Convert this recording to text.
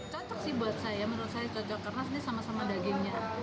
cocok sih buat saya menurut saya cocok karena ini sama sama dagingnya